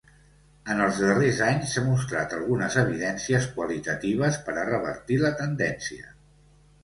En els darrers anys s'ha mostrat algunes evidències qualitatives per a revertir la tendència.